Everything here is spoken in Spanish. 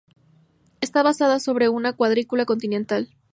Está basada sobre una cuadrícula continental.